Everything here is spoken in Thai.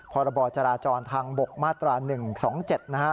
พรบจราจรทางบกมาตรา๑๒๗นะฮะ